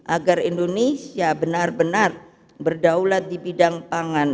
agar indonesia benar benar berdaulat di bidang pangan